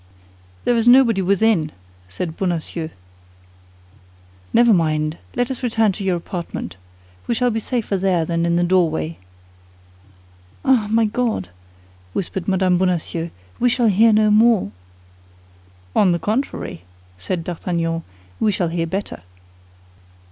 "There is nobody within," said Bonacieux. "Never mind. Let us return to your apartment. We shall be safer there than in the doorway." "Ah, my God!" whispered Mme. Bonacieux, "we shall hear no more." "On the contrary," said D'Artagnan, "we shall hear better."